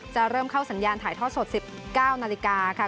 เริ่มเข้าสัญญาณถ่ายทอดสด๑๙นาฬิกาค่ะ